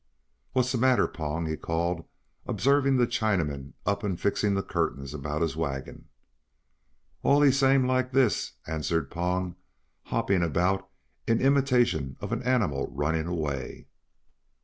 "What's the matter, Pong?" he called, observing the Chinaman up and fixing the curtains about his wagon. "Allee same likee this," answered Pong hopping about in imitation of an animal running away.